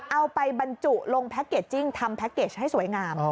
เอาไปบรรจุลงแพ็คเกจจิ้งทำแพ็คเกจให้สวยงาม